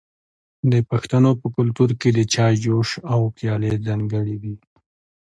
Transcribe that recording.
د پښتنو په کلتور کې د چای جوش او پیالې ځانګړي دي.